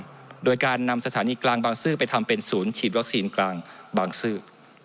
ที่โจทย์ทำโดยการนำสถานีกลางบางซื้อไปทำเป็นศูนย์ฉีดวัคซีนกลางบางซื้อ